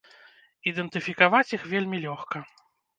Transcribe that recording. Ідэнтыфікаваць іх вельмі лёгка.